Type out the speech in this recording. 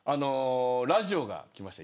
ラジオがきました